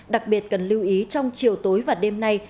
đặc biệt cần lưu ý trong chiều tối và đêm nay